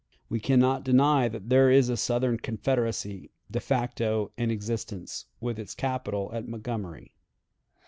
"We can not deny that there is a Southern Confederacy, de facto, in existence, with its capital at Montgomery.